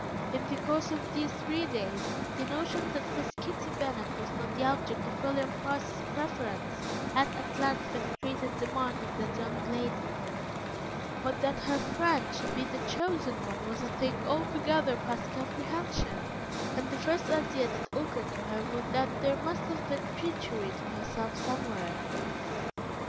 In the course of these three days, the notion that Miss Kitty Bennet was not the object of William Price's preference had at length penetrated the mind of that young lady, but that her friend should be the chosen one was a thing altogether past comprehension, and the first idea that occurred to her was that there must have been treachery to herself somewhere.